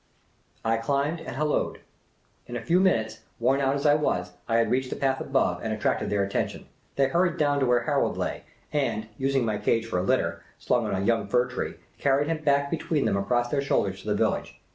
I climbed and hallooed. In a few minutes, worn out as I was, I had reached the path above and attracted their atten tion. They hurried down to where Harold lay, and, using my cage for a litter, slung on a young fir trunk, carried him back between them across their shoulders to the village.